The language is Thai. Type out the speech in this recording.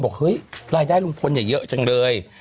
บอกรายได้รุงพลเยอะจังเลย